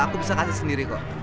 aku bisa kasih sendiri kok